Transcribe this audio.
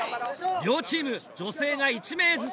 両チーム女性が１名ずつ。